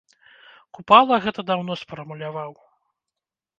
Купала гэта даўно сфармуляваў.